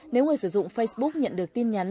nếu người sử dụng facebook nhận được tin nhắn